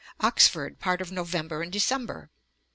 Oxford, part of November and December.